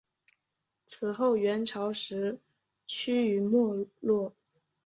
此后元朝时趋于没落。